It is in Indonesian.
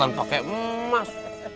bukan pakai emas